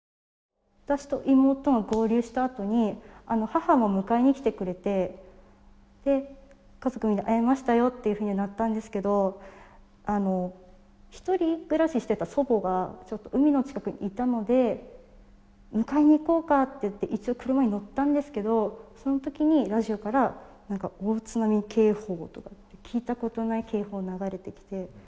私と妹が合流したあとに母も迎えに来てくれてで家族みんな会えましたよっていうふうにはなったんですけどあの一人暮らししていた祖母がちょっと海の近くにいたので迎えに行こうかっていって一度車に乗ったんですけどそのときにラジオからなんか大津波警報とか聞いたことない警報が流れてきて。